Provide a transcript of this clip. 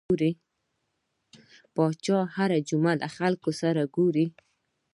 پاچا هر جمعه له خلکو سره ګوري .